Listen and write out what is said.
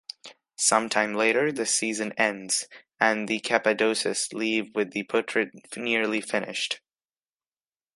Sometime later the season ends, and the Capadoses leave with the portrait nearly finished.